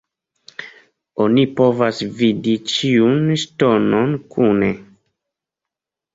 Oni povas vidi ĉiun ŝtonon kune.